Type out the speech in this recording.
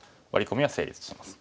込みは成立します。